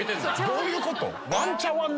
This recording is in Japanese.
どういうこと？